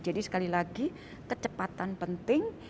jadi sekali lagi kecepatan penting